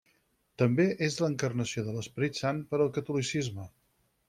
També és l'encarnació de l'Esperit Sant per al catolicisme.